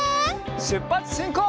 しゅっぱつしんこう！